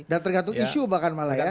dan tergantung isu bahkan malah ya